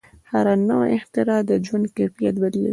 هره نوې اختراع د ژوند کیفیت بدلوي.